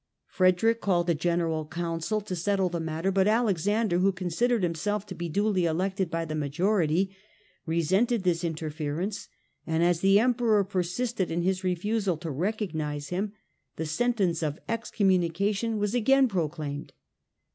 Frederick called a general council to settle the matter, but Alexander, who considered himself to be duly elected by the majority, resented this inter ference, and as the Emperor persisted in his refusal to recognise him, the sentence of excommunication was again proclaimed.